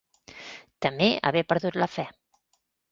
Temé haver perdut la fe.